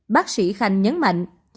bác sĩ khanh nhấn mạnh